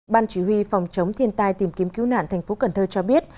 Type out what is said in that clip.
ban chỉ huy phòng chống thiên tai tìm kiếm cứu nạn thành phố cần thơ cho biết